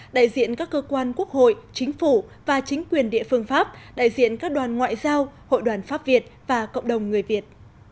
đại diện các cơ quan quốc hội chính phủ và chính quyền địa phương pháp đại diện các đoàn ngoại giao hội đoàn pháp việt và cộng đồng người việt